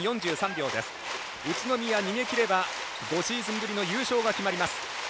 宇都宮、逃げきれば５シーズンぶりの優勝が決まります。